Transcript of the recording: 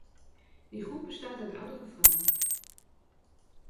Die groep bestaat uit oudere vrouwen.